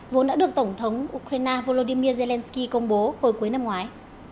vốn đã được tổng thống ukraine volodymyr zelenskyy công bố hồi cuối năm ngoái